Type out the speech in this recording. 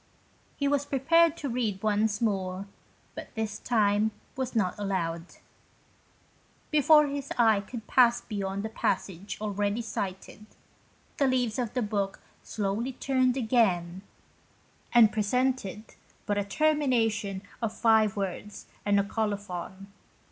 He was prepared to read more, but this time was not allowed. 27 GHOST TALES. Before his eye could pass beyond the passage already cited, the leaves of the book slowly turned again, and presented but a termination of five words and a colophon.